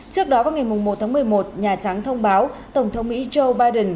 trước đó vào ngày một tháng một mươi một nhà trắng thông báo tổng thống mỹ joe biden